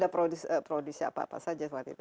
dia sudah produser apa saja saat itu